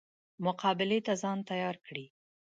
مقابلې ته ځان تیار کړي.